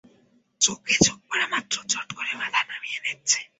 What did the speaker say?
চোখে চোখ পড়ামাত্র চট করে মাথা নামিয়ে নিচ্ছে।